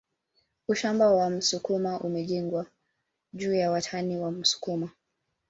Ushamba wa msukuma umejengwa juu ya watani wa msukuma